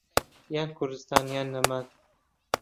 یان كوردستان یان نەمان